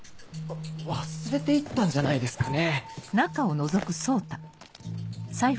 忘れて行ったんじゃないですかね。